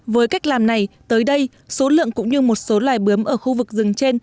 với cách làm này tới đây số lượng cũng như một số loài bướm ở khu vực rừng trên